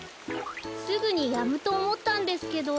すぐにやむとおもったんですけど。